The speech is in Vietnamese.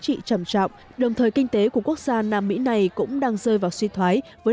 trị trầm trọng đồng thời kinh tế của quốc gia nam mỹ này cũng đang rơi vào suy thoái với